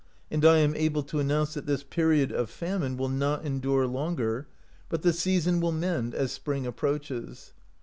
And I am able to announce that this period of famine will not endure longer, but the season will mend as spring approaches.